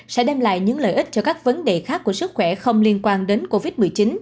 sẽ đem lại những lợi ích cho các vấn đề khác của sức khỏe không liên quan đến covid một mươi chín